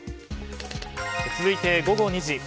続いて午後２時。